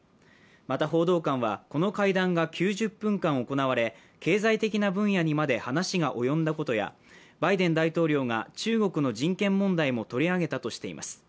また報道官はこの会談が９０分間行われ経済的な分野にまで話が及んだことや、バイデン大統領が中国の人権問題も取り上げたとしています。